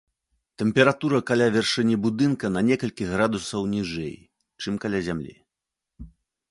Тэмпература каля вяршыні будынка на некалькі градусаў ніжэй, чым каля зямлі.